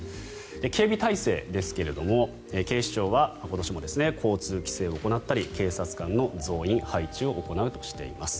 警備態勢ですが、警視庁は今年も交通規制を行ったり警察官の増員・配置を行うとしています。